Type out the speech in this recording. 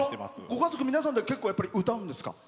ご家族皆さんで結構歌うんですか？